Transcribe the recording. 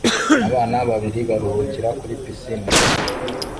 Abana babiri baruhukira kuri pisine